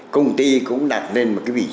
công ty cũng đặt lên một cái đối tượng